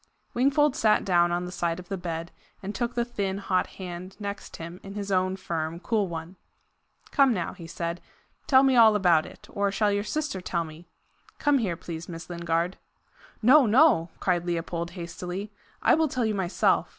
Wingfold sat down on the side of the bed, and took the thin, hot hand next him in his own firm, cool one. "Come now," he said, "tell me all about it. Or shall your sister tell me? Come here, please, Miss Lingard." "No, no!" cried Leopold hastily; "I will tell you myself.